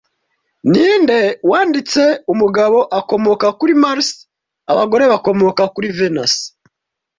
Ninde wanditse Umugabo akomoka kuri Mars Abagore bakomoka kuri Venus